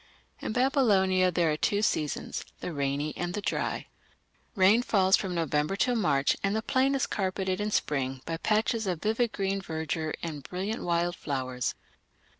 In Babylonia there are two seasons the rainy and the dry. Rain falls from November till March, and the plain is carpeted in spring by patches of vivid green verdure and brilliant wild flowers.